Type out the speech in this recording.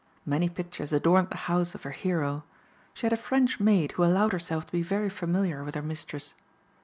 Many pictures adorned the house of her hero. She had a French maid who allowed herself to be very familiar with her mistress.